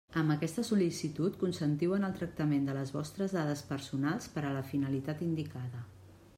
Amb aquesta sol·licitud consentiu en el tractament de les vostres dades personals per a la finalitat indicada.